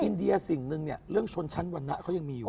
อินเดียสิ่งหนึ่งเนี่ยเรื่องชนชั้นวรรณะเขายังมีอยู่